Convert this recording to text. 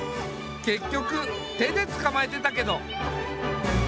結局手でつかまえてたけど。